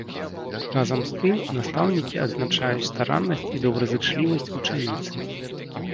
Разам з тым настаўнікі адзначаюць стараннасць і добразычлівасць вучаніцы.